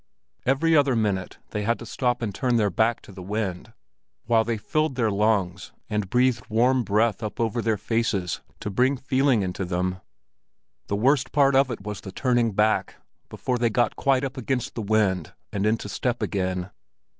Every other minute they had to stop and turn their back to the wind while they filled their lungs and breathed warm breath up over their faces to bring feeling into them. The worst part of it was the turning back, before they got quite up against the wind and into step again.